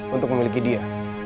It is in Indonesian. untuk memiliki dia